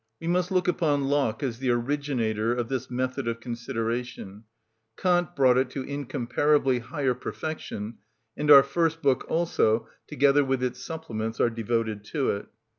We must look upon Locke as the originator of this method of consideration; Kant brought it to incomparably higher perfection; and our first book also, together with its supplements, are devoted to it.